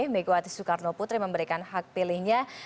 megawati soekarno putri memberikan hak pilihnya